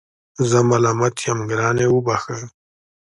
زه ملامت یم ګرانې وبخښه